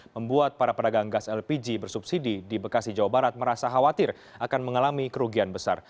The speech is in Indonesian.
membuat para pedagang gas lpg bersubsidi di bekasi jawa barat merasa khawatir akan mengalami kerugian besar